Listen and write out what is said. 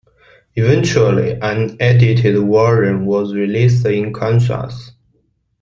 Eventually, an edited version was released in Kansas.